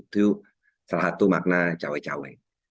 itu salah satu makna cawe cawe